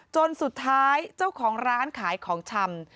จนสุดท้ายเจ้าของร้านขายของชำ